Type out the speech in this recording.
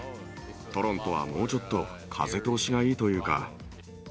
トロントはもうちょっと風通しがいいというか。